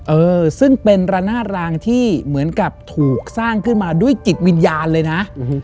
เออซึ่งเป็นระนาดรางที่เหมือนกับถูกสร้างขึ้นมาด้วยจิตวิญญาณเลยนะ